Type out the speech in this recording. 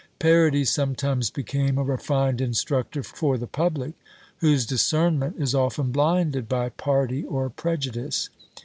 Parody sometimes became a refined instructor for the public, whose discernment is often blinded by party or prejudice.